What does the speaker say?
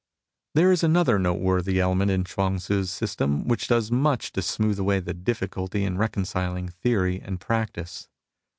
There is another noteworthy element in Chuang Tzu's system which does much to smooth away the difficulty of reconciling theory and practice.